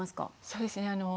そうですね